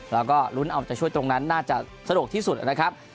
แล้วก็ลุ้นเอาใจช่วยตรงนั้นน่าจะสะดวกที่สุดนะครับ